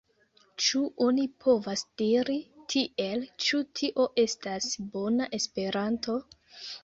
Ĉu oni povas diri tiel, ĉu tio estas bona Esperanto?